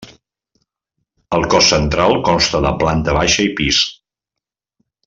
El cos central consta de planta baixa i pis.